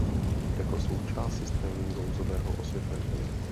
Jako součást systému nouzového osvětlení.